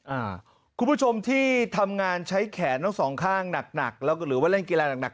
คุณผู้ชมที่ทำงานใช้แขนทั้งสองข้างหนักหนักแล้วก็หรือว่าเล่นกีฬาหนักหนัก